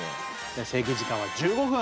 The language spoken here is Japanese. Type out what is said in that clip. じゃあ制限時間は１５分。